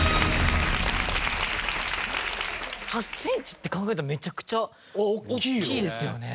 ８センチって考えたらめちゃくちゃ大きいですよね。